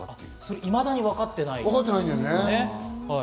いまだにわかってないんですよね。